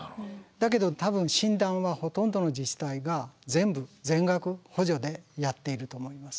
だけど多分診断はほとんどの自治体が全部全額補助でやっていると思います。